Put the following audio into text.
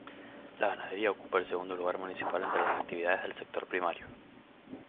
La ganadería ocupa el segundo lugar municipal entre las actividades del sector primario.